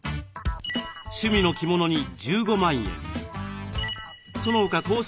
趣味の着物に１５万円。